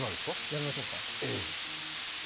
やりましょうか。